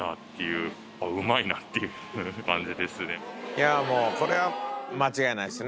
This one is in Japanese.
いやもうこれは間違いないですね